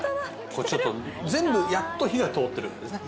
ちょっと全部やっと火が通ってるんですね。